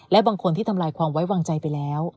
และบางคนที่ทำลายความไว้วางใจไปแล้ว